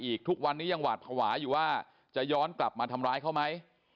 ทุกวันนี้ยังหวาดภาวะอยู่ว่าจะย้อนกลับมาทำร้ายเขาไหม